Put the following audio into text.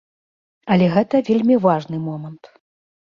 Але гэта вельмі важны момант.